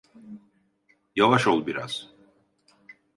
Yavaş ol biraz.